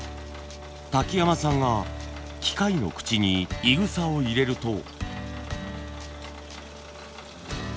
瀧山さんが機械の口にいぐさを入れると。